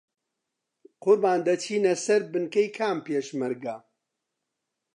قوربان دەچینە سەر بنکەی کام پێشمەرگە؟